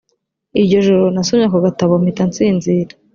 iryo joro nasomye ako gatabo mpita nsinzira